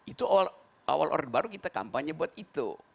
itu awal orde baru kita kampanye buat itu